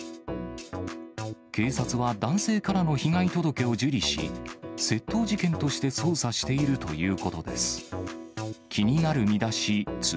警察は男性からの被害届を受理し、窃盗事件として捜査しているということです。